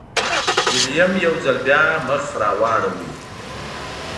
ویلیم یو ځل بیا مخ راواړوه.